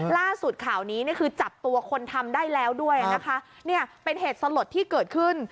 ล่าสุดข่าวนี้เนี่ยคือจับตัวคนทำได้แล้วด้วยนะคะเนี่ยเป็นเหตุสลดที่เกิดขึ้น